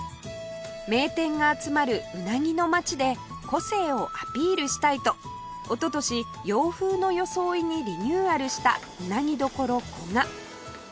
名店が集まるうなぎの街で個性をアピールしたいとおととし洋風の装いにリニューアルしたうなぎ処古賀